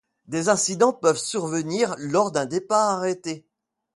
Des incidents peuvent survenir lors d'un départ arrêté.